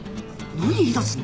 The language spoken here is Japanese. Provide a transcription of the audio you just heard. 何言いだすの？